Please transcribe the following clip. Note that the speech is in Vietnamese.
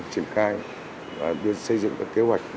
triển khai và đưa xây dựng các kế hoạch